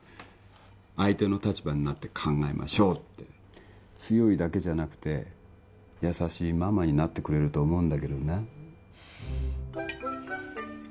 相手の立場になって考えましょうって強いだけじゃなくて優しいママになってくれると思うんだけどな